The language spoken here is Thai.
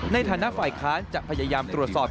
ในฐานะฝ่ายค้านจะพยายามตรวจสอบ